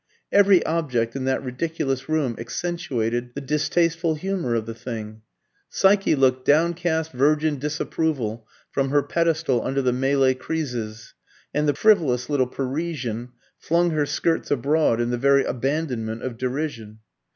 Every object in that ridiculous room accentuated the distasteful humour of the thing. Psyche looked downcast virgin disapproval from her pedestal under the Malay creeses, and the frivolous little Parisienne flung her skirts abroad in the very abandonment of derision.